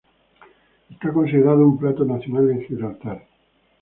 Es considerado un plato nacional en Gibraltar.